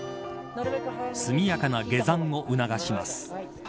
速やかな下山を促します。